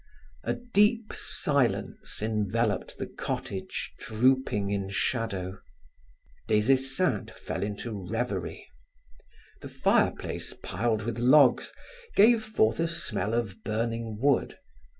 A deep silence enveloped the cottage drooping in shadow. Des Esseintes fell into revery. The fireplace piled with logs gave forth a smell of burning wood.